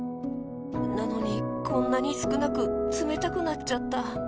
なのにこんなにすくなくつめたくなっちゃった。